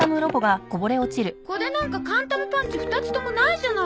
これなんかカンタムパンチ２つともないじゃないの。